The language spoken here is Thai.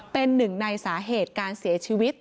เป็นหนึ่งในสาเหตุการเสียชีวิต